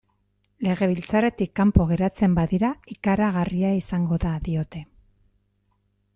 Legebiltzarretik kanpo geratzen badira, ikaragarria izango da, diote.